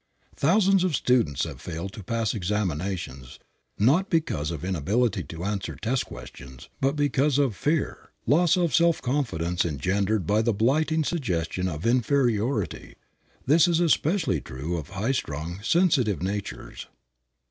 Thousands of students have failed to pass examinations not because of inability to answer test questions, but because of fear, loss of self confidence engendered by the blighting suggestion of inferiority. This is especially true of highstrung, sensitive natures.